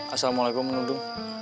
assalamualaikum om dudung